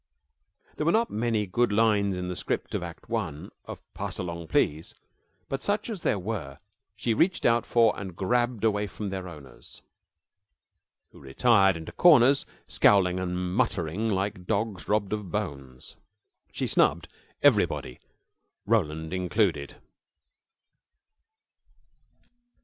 There were not many good lines in the script of act one of "Pass Along, Please!" but such as there were she reached out for and grabbed away from their owners, who retired into corners, scowling and muttering, like dogs robbed of bones. She snubbed everybody, Roland included.